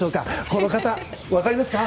この方、分かりますか？